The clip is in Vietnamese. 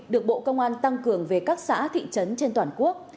được bộ công an tăng cường về các xã thị trấn trên toàn quốc